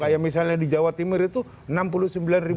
kayak misalnya di jawa timur itu enam puluh sembilan ribu